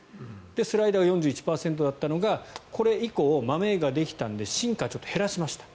スライダーが４１％だったのがこれ以降、まめができたのでシンカーを減らしました。